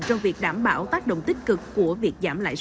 trong việc đảm bảo tác động kinh tế